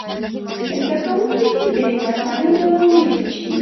زده کوونکي دې دریو مساوي ډلو وویشل شي.